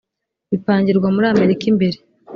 bigapangirwa muri Amerika imbere(An inside job)